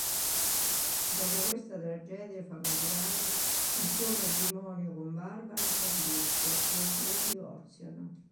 Dopo questa tragedia familiare, il suo matrimonio con Barbara fallisce e i due divorziano.